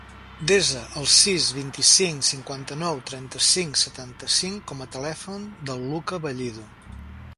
Desa el sis, vint-i-cinc, cinquanta-nou, trenta-cinc, setanta-cinc com a telèfon del Lucca Bellido.